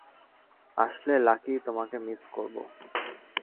আসলে, লাকি, তোমাকে মিস করব।